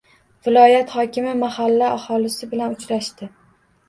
Viloyat hokimi mahalla aholisi bilan uchrashdi